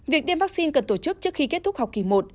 việc tiêm vaccine cần tổ chức trước khi kết thúc học kỳ một